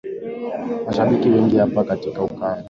mashabiki wengi hapa katika ukanda